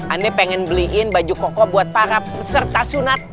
anda pengen beliin baju koko buat para peserta sunat